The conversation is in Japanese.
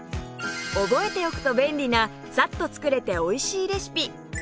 覚えておくと便利なさっと作れておいしいレシピ